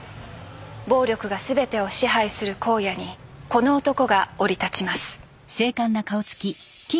暴力が全てを支配する荒野にこの男が降り立ちます。